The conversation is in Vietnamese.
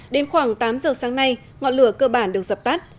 đến khoảng tám giờ sáng nay ngọn lửa cơ bản được dập tắt